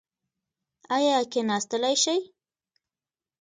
ایا کیناستلی شئ؟